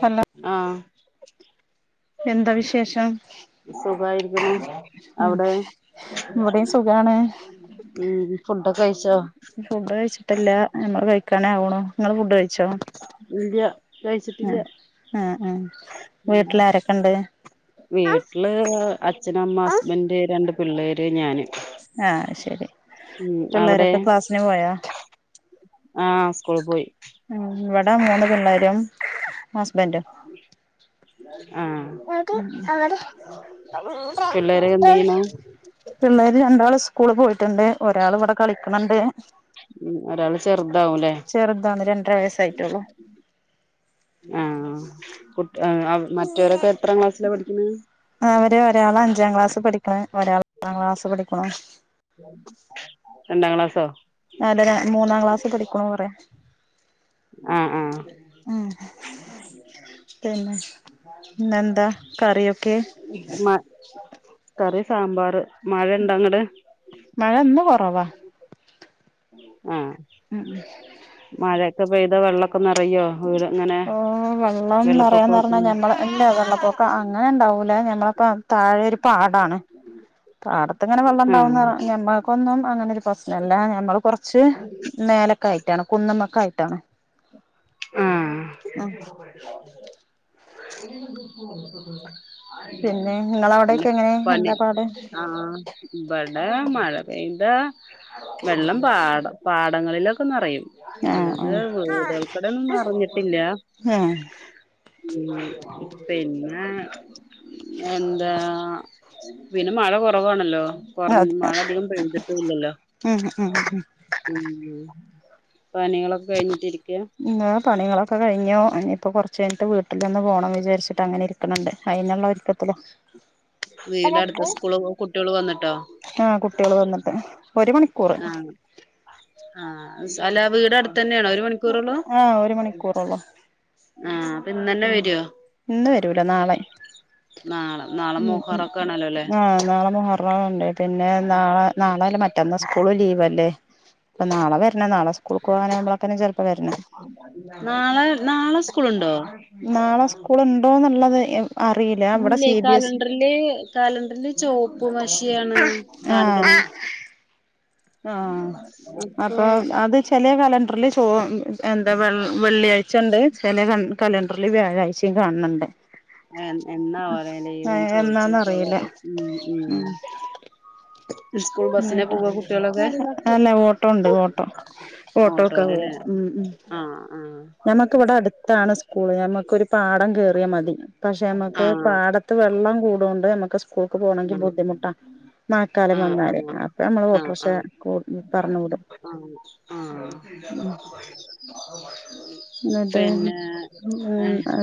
Hello ആ എന്താ വിശേഷം സുഖായിരിക്കണു ഉം അവിടെ ഇവിടെയും സുഖാണ് ഈ ഫുഡ്‌ ഫുഡ് കഴിച്ചിട്ടില്ല നമ്മള് കഴിക്കാന ആവുണ് ഇല്ലയ കഴിച്ചിട്ടില്ല ഉം ഉം ഉം വീട്ടിൽ ആരൊക്കെ ഉണ്ട് വീട്ടില് അച്ഛനമ്മ ഹസ്ബന്റ് രണ്ട് പിള്ളേര് ഞാന് ആഹ ശരി ഉം അവിടെ പിള്ളേരൊക്കെ ക്ലാസിന് പോയാ ആഹ് സ്കൂള് പോയി ഉ ഇവിടെ മൂന്ന് പിള്ളേരും ഹസ്ബൻഡും ആഹ് [unintelligible] പിള്ളേരൊക്കെ എന്ത് ചെയ്യണു പിള്ളേര് രണ്ടാള് സ്കൂള് പോയിട്ടുണ്ട് ഒരാൾ ഇവിടെ കളിക്കുന്നുണ്ട് ഉ ഒരാള് ചെറുതാ ആവുലെ ചെറുതാണ് രണ്ടര വയസ്സായിട്ടുള്ളൂ ആ ആ മറ്റവരൊക്കെ എത്ര ക്ലാസ്സില പഠിക്കുന്നത് ആസ പഠിക്കണോ രണ്ടാം ക്ലാസോ അല്ല മൂന്നാം ക്ലാസ് പഠിക്കണം പറയാ ആ ആ പിന്നെ ഇന്നെന്താ കറിയൊക്കെ മാ കറി സാമ്പാർ മഴ ഇണ്ട അങ്ങടെ മഴ ഇന്ന് കൊറവാ [unintelligible] ഉം ഉ പെയ്യ്ത വെള്ളം യൊ അങ്ങ ഓ വെള്ളം നിറയാന്ന് പറഞ്ഞാ ഞമ്മള ഇല്ല വെള്ളപ്പൊക്ക അങ്ങനെ ഇണ്ടാവൂലേ ഞമ്മളപ്പ താഴെ ഒരു പാടാണ് പാടത്തങ്ങനെ വെള്ളണ്ടക്കും ആഹ് നമുക്കൊന്നും അങ്ങനെ പ്രശ്നല്ല ഞമ്മൾ കൊറച്ച് മേലക്ക ആയിട്ടാണ് കുന്നമ്മക്കായിട്ടാണ് ഉം പിന്നെ പിന്നെ നിങ്ങളവിടെക്കെ എങ്ങനെ പനി എന്താ പാട് ആ ഇവിടെ മഴ പിന്റെ വെള്ളം പാട പാടങ്ങളിലൊക്കെ നിറയും ആഹ് നല്ലത് ആഹ് വീടുക ഇടന്നും നറിഞ്ഞിട്ടില്ല ആഹ് ഉ പിന്നെ പിന്നെ എന്താ പിന്നെ മഴ കുറവാണല്ലോ കൊറഞ്ഞ അതെ മഴ അധികം പെയ്തിട്ടും ഇല്ലല്ലോ ഉം ഉം ഉം പനികളൊക്കെ കഴിഞ്ഞിട്ടി ഇരിക്കയാ ആ പണികളൊക്കെ കഴിഞ്ഞോ ഇനിയിപ്പോൾ കുറച്ച് കഴിഞ്ഞട്ട് വീട്ടിൽ നിന്ന് പോകണം വിചാരിച്ചിട്ട് അങ്ങനെ ഇരിക്കണുന്നുണ്ട് അയിതിനുള്ള ഒരുക്കത്തില്ല്ല വീടെ അടുത്ത സ്കൂള് പോ കുട്ടികൾ വന്നിട്ടോ ആഹ കുട്ടികള് വന്നിട്ട് ഒരു മണിക്കൂർ ആ അല്ല വീട അടുത്ത തന്നെയണോ ഒരു മണിക്കൂറള്ളൂ ആഹ് ഒരു മണിക്കൂറൊള്ളൂ ആഹ അപ്പ ഇന്നന്നെ വരുവോ ഇന്ന് വരൂല നാളെ നാളെ നാളെ പറക്കണല്ലോല്ലേ നളെ മഹർണുണ്ട് പിന്നെ നാളെ നാളെല്ല മറ്റന്ന് സ്കൂൾ ലീവ് അല്ലേ [inaudible] ഇപ്പ നാളെ വരണ നളെകൂ പോകാനെ നമ്മളൊക്കെ നാളെ നാളെ സ്കൂളുണ്ടോ നാളെ സ്കൂൾ ഉണ്ടോന്നുള്ളത് അറിയില്ല ഇവിടെ ഇല്ലേ സി ബി എസ് ഇ കലണ്ടറില് കലണ്ടറിില് ചുവപ്പ മഷിയാണ് കാണിക്കണ ആഹ അപ്പൊ അത് ചെിലിയ കലണ്ടറിില് ചോ എന്താ വെ വെള്ളിയാഴ്ച ഉണ്ട് ചില കലണ്ടറിൽ വ്യാഴാഴ്ചയും കാണുന്നുണ്ട് എന്നാവലെ ലീവ് എന്നാന്ന ചോദിച്ചോക്കിയാല് അറിയില്ല അറിയാം ഉ ഉം [inaudible] ഉം സ്കൂൾ ബസ്സിനാ പോവാ കുട്ടികളൊക്കെ അല്ല ഓട്ടോ ഉണ്ട് ഓട്ടോ ഓട്ടോ ഒക്കെ പോകും ഓട്ടോയിലല്ലേ ഉ ഉം ആഹ് ഞമ്മക്കിവിടെ അടുത്താണ് സ്കൂള് ഞമ്മക്കരു പാടം കേയറിയാൽ മതി പക്ഷെ ആഹ് നമ്മുക്ക് ആഹ് പാടത്ത് വെള്ളം കൂടൊണ്ട് നമ്മുക്ക് സ്കൂൾക്ക് പോകണമെങ്കിൽ ബുദ്ധിമുട്ടാ മക്കാല ആഹ് ആഹ് അപ്പൊ നമ്മള് ആഹ് പട്ട്രക്ഷ ആഹ് ആഹ് ക പറഞ്ഞു വിടും ആഹ എന്നട്ട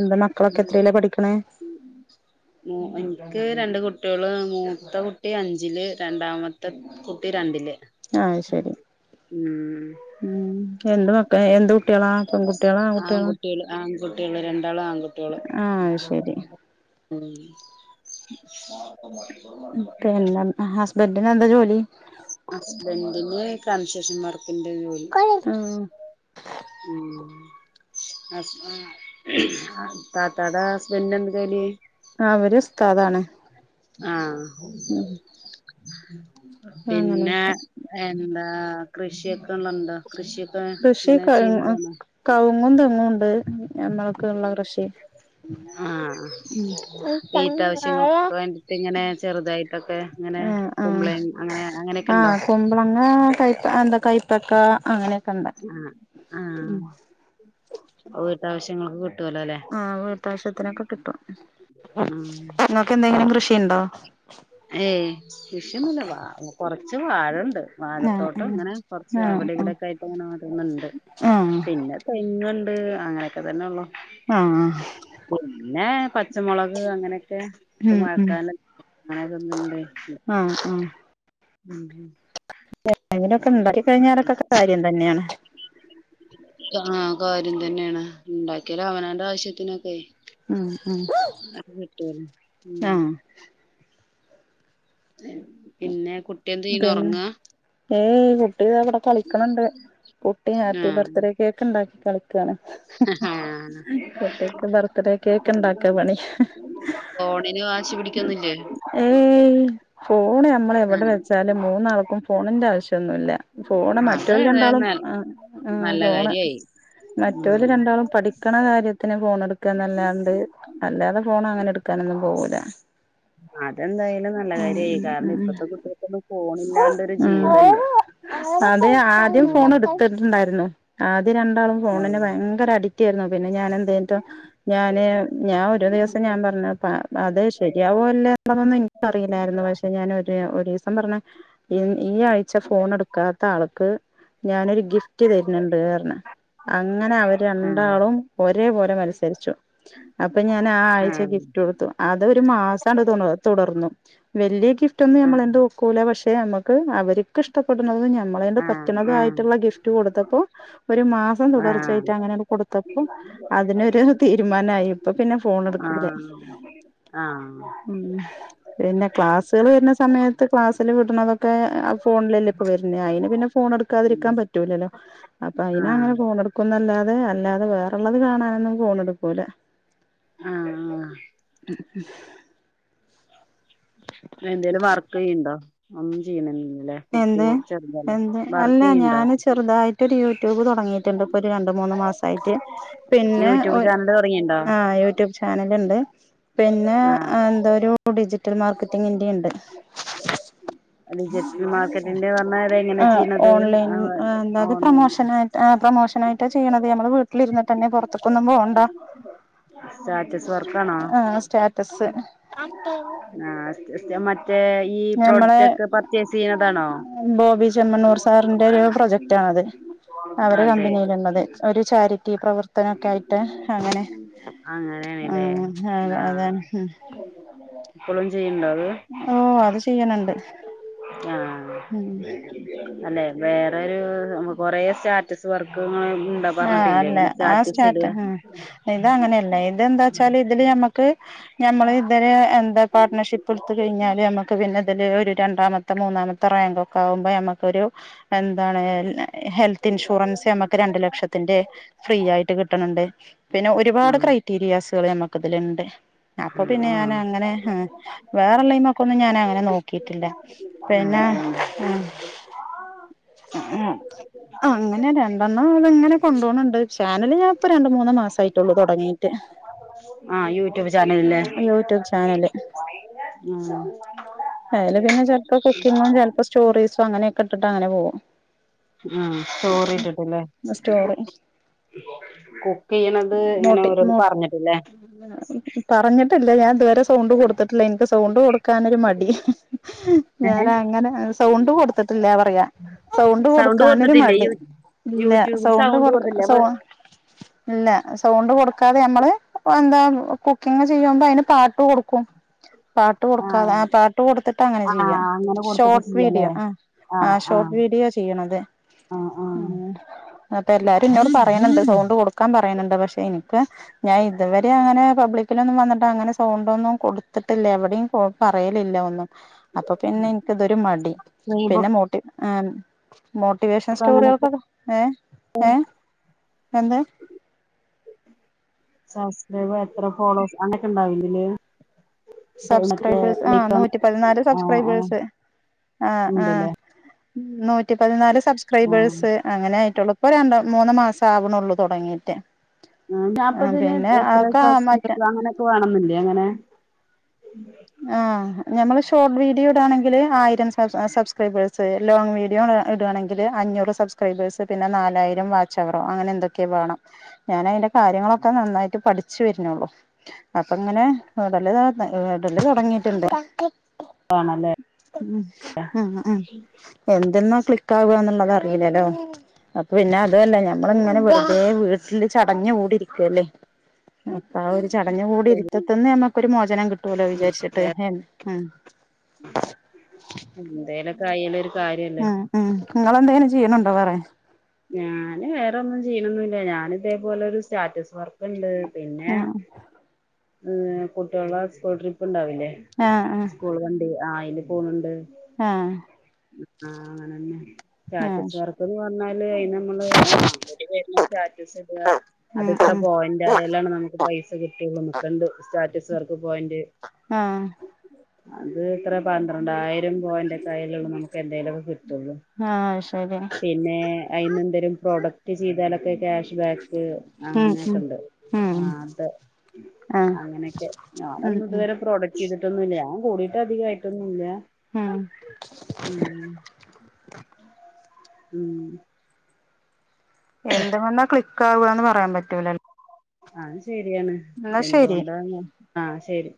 എന്താ മക്കളൊക്കെ എന്തൊക്കെ എത്രല്ലേ പഠിക്കണ എനിക്ക് രണ്ട് കുട്ടി കുട്ടികൾ മൂത്തെ കുട്ടി അഞ്ചിൽ രണ്ടാമത്തെ കുട്ടി രണ്ടില് ആഹ് ശരി ഉം ഉം എന്ത് മക്ക എന്ത് കുട്ടികളാ പെൺകുട്ടികളാ ആ കുട്ടികളാ ഉ ആഹ പിന്നെ ഹസ്ബൻഡന് എന്താ ജോലി അസ്ബെൻഡിന കൺസെേഷൻ ത്തിന്റെ വൂൽ ഉം ഉ താത്താട ഹസ്ബൻഡ എന്ത കയില് ആ അവര്താദാണ് ആഹ പിന്നെ അങ്ങനെയൊക്കെ എന്താ കൃഷിയൊക്കെ ഉള്ളുണ്ടോ കൃഷി ക കവുങ്ങും തെങ്ങും ഉണ്ട് നമ്മൾക്ക ഉള്ള കൃഷി ആഹ ആഹ് വഈട്ടാവശ്യങ്ങൾക്കൊക്കെ വേണ്ടിട്ട് ഇങ്ങനെ ചെറുതായിട്ടൊക്കെ ഇങ്ങനെ ആ ആ കുമ്പളൻ അങ്ങനെ അങ്ങനെയൊക്കെ ഉണ്ടോ ആഹ കൊ്പളങ്ങ കയ എന്താ കയ്പ്പക്ക അങ്ങനെ കണ്ട ആഹ് ഉ ആഹ് വീട്ടാവശ്യങ്ങൾക്ക് കിട്ടുവല്ലോ അല്ലെ ആഹ വീട്ടാവശ്യത്തിനൊക്കെ കിട്ടും ഉം നിങ്ങക്ക് എന്തെങ്കിലും കൃഷിുണ്ടോ ഏ വിഷന്നല്ല വാ കുറച്ച് വാഴുണ്ട് ആഹ് വാഴത്തോട്ട് ഇങ്ങനെ ആഹ് കൊറച്ച് വിടെ ആഹ് ഇവിടെൊക്കെ ആയിട്ട്ങ്ങനെുന്നുണ്ട് ആഹ് പിന്നെ തെ അങ്ങനെയൊക്കെ തന്നെ ഉള്ള ആഹ് ആഹ് പിന്നെ പച്ചമുളക് അങ്ങനെയൊക്കെ ഇപ്പ ഉം ഉം മുഴക്കൻ അങ്ങതൊന്നും ഇണ്ട് ഉം ഹ എങ്കിലൊക്കെ ഉണ്ടാക്ക കഴിഞ്ഞാലൊക്കൊക്കെ കാര്യം തന്നെയാണ് ആഹ! കാര്യം തന്നെയാണ് ഉണ്ടാക്കിയല്ല അവനന്റെ ആവശ്യത്തിനൊക്കെ ഉം ഉം അട്ട ഉ ആഹ് പിന്നെ കുട്ടിെന്ത ചെയന ഉറങ്ങാ? ഏയ്ഈ കുട്ടി അവിടെ കളിക്കണണ്ട് കുട്ടി ഹാപ്പി ബർത്ത്ഡേ കേക്ക് ഉണ്ടാക്കി കള- ഹ! ഹാ! കുട്ടിക്ക് ബർത്ത്ഡേ കേക്ക് ഉണ്ടാക്കാ പണി ആ!.. കോടേന് വാശി പിടിക്കന്നില്ലേ ഫോൺ നമ്മൾെവിടെ വെച്ചാും മൂന്നാൾക്കും ഫോണിൻ്റെ ആവശ്യമൊന്നുമില്ല സോണ മറ്റ അത് വല്ലണ്ടാളും ഏതായാലും ആ ഉ നല്ല സോണ കാര്യായി മറ്റല ഉം രണ്ടാളും പഠിക്കണ കാര്യത്തിന് എടുക്കൻ നല്ലാണ്ട് അല്ലാതെ ഫോൺ അങ്ങനെ എടുക്കാനൊന്നും പോവൂല അതെന്തായാലും നല്ല ഉം കാര്യായി കാരണം ഉം ഉം ഇപ്പഴത്തെ കുട്ടികൾക്കൊന്നും ഫോണ ഇില്ലാണ്ട ഒരു ജീവിതല്ല അതെ ആദ്യം ഫോൺ ഉം എടുത്തിട്ടുണ്ടായിരുന്നു ആദ്യം രണ്ടാളും ഫോണിെ ഭയങ്കര അഡിക്റ്റ് ആയിരുന്നു പിന്നെ ഞൻ എന്തേട്ടോ ഞാന് ഞാൻ ഒരു- ദിവസം ഞാൻ പറഞ്ഞ അത് ശരിയാവോ അല്ലതന്ന് എനിക്ക അറിയില്ലായിരുന്നു പ- പക്ഷെ ഞാൻൊ ഒരു ദിവസം പറഞ്ഞ ഈ ആഴ്ച ഫോൺ എടുക്കാത്ത ആൾക്ക്- ഞാനൊരു ഗിഫ്റ്റ് തരുന്നുണ്ട് കാരണം അങ്ങനെ അവര് ആഹ് രണ്ടാളും ഒരേപോലെ മനസ- അനുസരിച്ചു അപ്പൊ ഞാൻ ആ ആഴ്ച ആഹ് ഗിഫ്റ്റ് കൊടുത്തു അതൊ ഒരു മാസാണ്ട് തു തുടർന്നു വലിയ ഗിഫ്റ്റ് ഒന്നും നമ്മളെന്ത് ആഹ് ഒക്കൂല പക്ഷെ നമ്മുക്ക് അവർക്ക് ഇഷ്ടപ്പെട്ട നമ്മള പറ്റണത ആഹ് ആട്ടുള്ള ഗിഫ്റ്റ് കൊടുത്തപ്പോ ഒരു മാസം തുടർച്ചയായിട്ട് ആഹ് അങ്ങനെയ കൊടുത്ത അപ്പ അതിനൊരു തീരുമാനമായി ഇപ്പൊ പിന്നെ ഫോൺ എടുക്കൂല ആഹ് ആഹ് ആഹ് ആഹ് ഉ പിന്നെ ക്ലാസ്സുകൾ വരുന്ന സമയത്ത് ക്ലാസ്സൽ വിടണതൊക്കെ- ഫോണിലല്ല ഇപ്പ വരുന്ന അന് പിന്നെ ഫോൺ എടുക്കാതിരിക്കാൻ പറ്റൂില്ലല്ലോ അപ്പൊ ആഹ് അനെ ടുക്കുന്നല്ലാതെ അല്ലാതെ വേറള്ളത് കാണാനൊന്നും ഫോണ് എടുക്കൂല്ലെ ആഹ! ആഹ! [inaudible] എന്തേലും വർക്ക് ചെയ്യുന്നുണ്ടോ ഒന്നും ചെയ്യണ എന്ത് എന്ത് അല്ല ചെയ്യണ്ടോ ഞാന് ചെറുതായിട്ടരു യ ട്യൂബ് തുടങ്ങിയിട്ടുണ്ട് ഇപ്പൊ ഒരു രണ്ട മൂന്ന് മാസയിട്ട് പിന്നെ യൂട്യൂബ് ചാനല് തുടങ്ങിണ്ടോ ആഹ യൂട്യൂബ് ചാനല ഉണ്ട് പിന്നെ ആഹ് എന്താ ഒരു ഡിജിറ്റൽ മാർക്കറ്റിങ്ങിന്റെറെ ഉണ്ട് അ ജ [inaudible] ആ ഓൺലൈൻ ഓൺലൈൻ പ്രമോഷ പ്രൊമോഷൻ ആയിട്ടാണ് ചെയ്യണത് വീട്ടിലിറത്തൊന്നും പോണ്ട സ്റ്റാറ്റസ് ആഹ അ അ മറ്റേ ഈ ഞമ്മളെ പ്രോഡക്റ്റ് ഒക്കെ പർച്ചേസ് ചെയ്യുന്നതാണോ? ചെമ്മണൂർ സാറിന്റെ ഒരു പ്രൊജക്റ്റ് ആണത് അവര് അതെ കമ്പനിൽള്ളത് ഒരു ചാരിറ്റി പ്രവർ- വത്തനൊക്കെ ആയിട്ട് അങ്ങനെ ആ അങ്ങനെയാണല്ലേ അ അത ഉ [unintelligible] എപ്പോഴും ചെയ്യണ്ടാവോ? ഓ! അത് ചെയ്യണണ്ട്. ആഹ് ഉം അല്ലെ വേറരു കൊറേ സ്റ്റാറ്റസ് വർക്കു ഉണ്ടാ ആഹ് അല്ല പറഞ്ഞിട്ടില്ലേങ്ങനെ ആ സ്റ്റാറ്റ് ഇത അങ്ങനെയല്ല ഇതെന്താ വച്ചാൽ ഇതില് ഞമ്മക്ക്- ഞമ്മള് ഇതരെ എന്താ പാർട്ട്ണർഷിപ്പ് എടുത്ത കഴിഞ്ഞാല് നമ്മക്ക് പിന്നെ അതില് ഒരു രണ്ടാമത്തെ മൂന്നാമത്തെ റാങ്ക് ഒക്കെ ആകുമ്പോ നമുക്കരു എന്താണ്- ഹെൽത്ത് ഇൻഷുറൻസ് നമുക്ക് രണ്ട് ലക്ഷത്തിന്റെ ഫ്രീ ആയിട്ട് കിട്ടണണ്ട് പിന്നെ ഒരുപാട് ആഹ് ക്രൈറ്റീരിയാസുകൾ ഞമ്മുക്ക ഇതിലുണ്ട് അപ്പൊ പിന്നെ ഞാൻ ആഹ് അങ്ങനെ വേറെള്ളൈ്മൊക്ക ഒന്നും ഞാൻ അങ്ങനെ നോക്കിട്ടില്ല പിന്നെ- ആ ആഹ! എ ആ അങ്ങനെ രണ്ടെണ്ണ അത്ങ്ങനെ കൊണ്ടൊണണ്ട് ചാനല് ഞാൻ ഇപ്പോ രണ്ട് മൂന്ന് മാസായിട്ടുള്ളൂ തുടങ്ങിയിട്ട് ആ യൂട്യൂബ് ചാനലല്ലേ യൂട്യൂബ് ചാനല് മ് അയെല് പിന്നെ ചെലപ്പോ കുക്കിങ്ങും ചെലപ്പോ സ്റ്റോറീസും അങ്ങനെയെ ക്കെ ഇട്ടിട്ട് അങ്ങനെ പോവും ആ സ്റ്റോറിട്ട് ട്ടെല്ലേ സ്റ്റോറി ഇങ്ങനെ മോട്ടി ഓരോന്ന് മോ പറഞ്ഞിട്ടില്ലേ പറഞ്ഞിട്ടില്ല ഞാൻ ഞാ ഇത് വരെ സൗണ്ട് കൊടുത്തിട്ടില്ലെനി എനിക്ക് സൗണ്ട് കൊടുക്കാനൊര് മടി ഞാന അങ്ങനെ സൗണ്ട് കൊടുത്തിട്ടില്ല സൗണ്ട് കൊടുത്തിട്ടില്ലേ യൂ ഇല്ല യൂട്യൂബിൽ സൗണ്ട് കൊടുക്ക കൊടുത്തില്ലേ സൗ അപ്പൊ ഇല്ല സൗണ്ട് കൊടുക്കാതെ നമ്മള് അപ്പ എന്താ കുക്കിങ്ങ് ചെയ്യുമ്പോ അയിന് പാട്ട് കൊടുക്കും പാട്ട് കൊടുക്കാതെ ആ പാ കൊടുത്തിട്ട് അങ്ങനെ ആ ചെയ്യാ അങ്ങനെ കൊടുത്തിട്ട് ഷോർട്ട് ചെയ്യാലേ വീഡിയോ ആ ആ ഷോർട്ട് വീഡിയോ ചെയ്യണത് ആ ആ മ് അപ്പ എല്ലാരും ഇന്നോട് പറയ്ണ് ണ്ട് സൗണ്ട് കൊടുക്കാൻ പറയിണിണ്ട് പക്ഷെ എനിക്ക് ഞാൻ ഇതുവരെ അങ്ങനെ പബ്ലിക്കിലൊന്നും വന്നിട്ട് അങ്ങനെ സൗ ണ്ടൊന്നും കൊടുത്തിട്ടില്ല എവിടെയുംപോ പറയലില്ല ഒന്നും അപ്പൊ പിന്നെ എൻക്ക് ഇതൊരു മടി പിന്നെ മോട്ടി ഏ മോട്ടിവേഷൻ ഒക്കെ അങ്ങനൊക്കെ സ്റ്റോറികൾക്കൊക്കെ ഏ ഏ എന്ത് സബ്സ്ക്രൈബ് എത്ര ഫോളോസ് അങ്ങനെക്കെ ഇണ്ടാൽണ്ടെല്ലെ സബ്സ്ക്രൈബേഴസ് ആ നൂറ്റി പതിനാല് ആഹ് ആഹ് സബ്സ്ക്രൈബേഴ്സ് ആ ആ ഉണ്ടല്ലേ നൂറ്റി പതിനാല് ആഹ് സബ്സ്ക്രൈബേഴ്സ് അങ്ങനെ ആയിട്ടൊള്ളു ഇപ്പ രണ്ട മൂന്ന് മാസവ്ണൊള്ളൂ തൊടങ്ങിട്ട് ആ നാപ്പതിന് എത്ര മറ്റേ സസ്ക്രൈബ് അങ്ങനെയൊക്കെ വേണംന്നില്ലേ അങ്ങനെ ആ ഞമ്മള് ഷോർട്ട് വീഡിയോട ആണെങ്കില് ആയിരം സസ് ആ സബ്സ്ക്രൈബേഴ്സ് ലോങ്ങ് വീഡിയോ ആണെ ഇട്ണെങ്കില് അഞ്ഞൂറ് സബ്സ്ക്രൈബേഴസ് പിന്നെ നാലായിരം വാച്ച് അവറ് അങ്ങനെ എന്തെക്കെ വേണം ഞാന് ന്റെ കാര്യങ്ങളൊക്കെ നന്നായിട്ട് പഠിച്ച് വെര്ണൊള്ളു അപ്പ ഇങ്ങനെ [unintelligible] ഇബല് തൊടങ്ങിട്ട്ണ്ട് വേണല്ലേ ഇതെന്നാ ക്ലിക് ആവ്ന്ന്ള്ളത് അറീ ലല്ലോ അപ്പൊ പിന്നെ അതു അല്ല ഞമ്മള് ങ്ങനെ വെർതെ വീട്ടില് ചടഞ്ഞ് മൂടി രിക്കല്ലേ അപ്പ ആ ഒരു ചടഞ്ഞു കൂടി ഇര്ത്തത്ത്ന്ന് നമ്മക്കൊരു മോചനം കി പോലെ ഉം വിചാരിച്ചിട്ട് വേറെ ഹെ ഹ് പിന്നെ [unintelligible] ലൊരു മ് മ് നിങ്ങളെന്തെലും ചെയ്യ്ണണ്ടോ വേറെ ഞാന് വേറേന്നും ചെയ്യലൊന്നുല്ല ഞാന് ഇതേപോ എ മ് എ കുട്ടിളെ സ്കൂൾ ട്രിപ്പ് ഇണ്ടാവില്ലേ ആഹ് സ്കൂൾ വണ്ടി ആ അയില് പോണ് ണ്ട് ആഹ് ആഹ് ആ അങ്ങനെന്നെ സ്റ്റാറ്റസ് ആഹ് വർ ക്കൊക്കെ വന്നാല് ലെ അയിന് മ്മള് ആ ഓല് തര്ന്ന സ്റ്റാറ്റസ് ഇട് അത് ഉം ഇത്ര ഉം പോയിന്റ് ആയാലാണ് നമക്ക് പൈസ സ കിട്ട്ള്ളു കണ്ട് സ്റ്റാറ്റസ് വർക്ക് പോയിന്റ് ആഹ് അത് ഇത്ര പന്ത്രണ്ടായിരം പോയന്റൊ ക്കയാലോള്ളു നമുക്ക് എന്തെലൊക്കെ കി ട്ടൊള്ളു ആഹ് ശരി പിന്നെ അയിനെ എന്തേലും പ്രോഡക്റ്റ് ചെയ്താലൊക്കെ ക്യാഷ് ബാ ക്ക്‌ ഉം അങ്ങനെയൊക്കെ ഉം ഇണ്ട് ആ ഉം ട്ട് ആഹ് അങ്ങനെയൊക്കെ ഉം ഞാനൊന്നു ഇത് ഉം വരെ പ്രോഡക്ട്യ്ത്ട്ടൊന്നുല്ല ഞാൻ കൂടിയിട്ട് അധികായിട്ടൊന്നുല്ല ഉം ഉം എന്ത്‌ മെന്നാ ക്ലിക്ക് ആവ്ന്ന് പറയാൻ പറ്റൂല അഹും ശെരിയാണ് എന്തുകൊണ്ടാന്ന് ആ ശരി